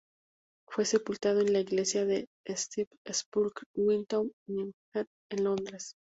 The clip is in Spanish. Fue sepultado en la iglesia de St Sepulchre-without-Newgate en Londres.